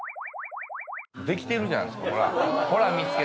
できてるじゃないですか。